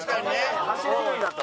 走れるんだと。